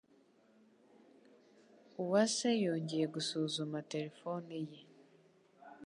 Uwase yongeye gusuzuma terefone ye.